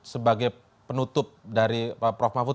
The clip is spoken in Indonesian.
sebagai penutup dari prof mahfud